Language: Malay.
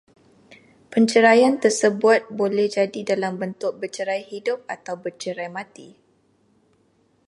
Perceraian tersebut boleh jadi dalam bentuk bercerai hidup atau bercerai mati